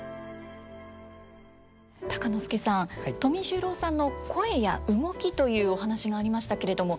鷹之資さん富十郎さんの声や動きというお話がありましたけれども。